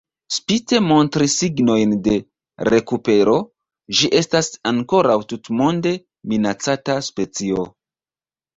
Spite montri signojn de rekupero, ĝi estas ankoraŭ tutmonde minacata specio.